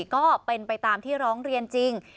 ก็เป็นไปตามที่ร้องเรียนจริง